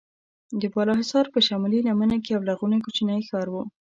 د بالاحصار په شمالي لمنه کې یو لرغونی کوچنی ښار و.